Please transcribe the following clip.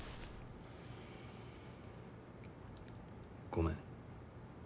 ごめん。